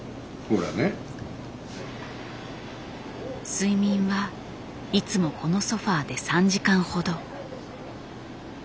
睡眠はいつもこのソファーで３時間ほど。